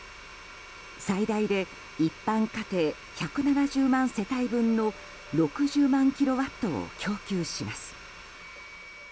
最大で一般家庭１７０万世帯分の６０万キロワットを供給します。